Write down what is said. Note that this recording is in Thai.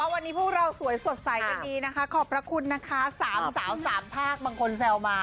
วันนี้พวกเราสวยสดใสกันดีนะคะขอบพระคุณนะคะ๓สาว๓ภาคบางคนแซวมา